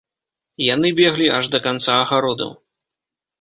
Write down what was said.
Яны беглі аж да канца агародаў.